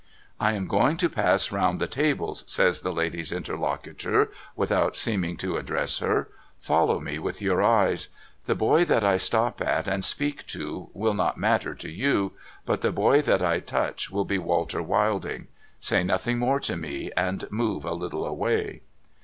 _*I am going to pass round the tables,' says the lady's interlocutor, without seeming to address her. ' Follow me with your eyes. The boy that I stop at and speak to, will not matter to you. But the boy that I touch, will be Walter Wilding. Say nothing more to me, and move a little away.'